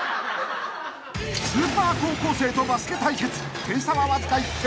［スーパー高校生とバスケ対決点差はわずか１点］